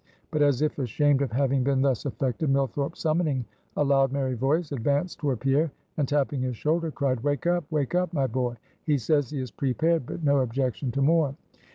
But, as if ashamed of having been thus affected, Millthorpe summoning a loud, merry voice, advanced toward Pierre, and, tapping his shoulder, cried, "Wake up, wake up, my boy! He says he is prepaid, but no objection to more."